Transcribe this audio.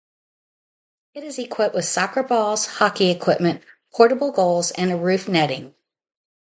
It is equipped with soccer balls, hockey equipment, portable goals, and a roof netting.